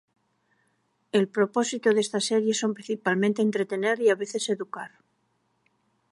El propósito de estas series son principalmente entretener y a veces educar.